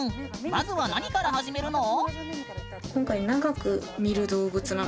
まずは何から始めるの？